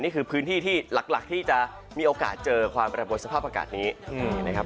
นี่คือพื้นที่ที่หลักที่จะมีโอกาสเจอความประบวนสภาพอากาศนี้นะครับ